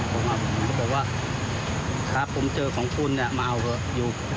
เขาบอกว่าครับผมเจอของคุณมาเอาเถอะ